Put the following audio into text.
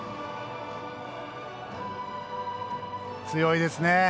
強いですね。